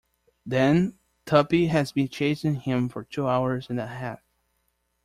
Then Tuppy has been chasing him for two hours and a half.